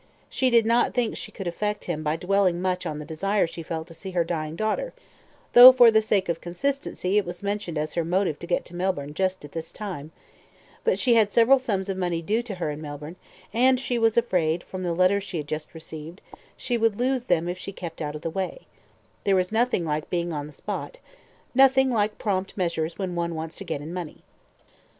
She did not think she could affect him by dwelling much on the desire she felt to see her dying daughter, though for the sake of consistency it was mentioned as her motive to get to Melbourne just at this time; but she had several sums of money due to her in Melbourne, and she was afraid, from the letter she had just received, that she would lose them if she kept out of the way; there was nothing like being on the spot nothing like prompt measures when one wants to get in money.